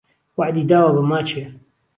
وهعدی داوه به ماچێ